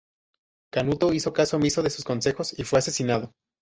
Canuto hizo caso omiso de sus consejos y fue asesinado.